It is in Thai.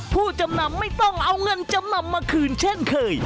ผู้จำนำไม่ต้องเอาเงินจำนำมาคืนเช่นเคย